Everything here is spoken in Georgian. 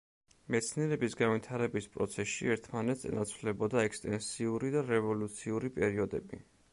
მეცნიერების განვითარების პროცესში ერთმანეთს ენაცვლებოდა ექსტენსიური და რევოლუციური პერიოდები.